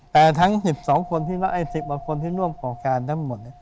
แต่ทั้ง๑๒คนที่รักไอ้๑๐คนที่ร่วมกับการทั้งหมด